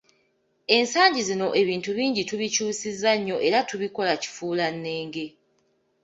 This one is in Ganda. Ensangi zino ebintu bingi tubikyusizza nnyo era tubikola kifuulannenge.